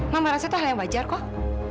mama rasa itu hal yang wajar kok